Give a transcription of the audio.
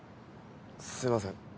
すいません。